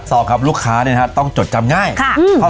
สองครับลูกค้าเนี้ยนะครับต้องจดจำง่ายค่ะอืม